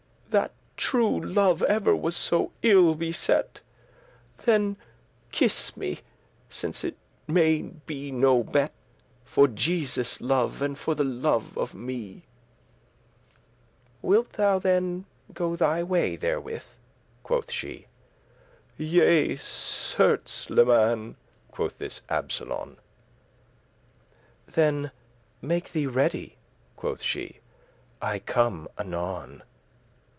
That true love ever was so ill beset: Then kiss me, since that it may be no bet*, *better For Jesus' love, and for the love of me." "Wilt thou then go thy way therewith?" , quoth she. "Yea, certes, leman," quoth this Absolon. "Then make thee ready," quoth she, "I come anon."